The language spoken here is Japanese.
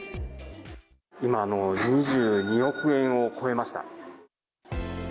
今、２２億円を超えました。